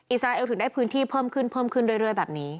อิสราเอลถึงได้พื้นที่เพิ่มขึ้นเรื่อยแบบนี้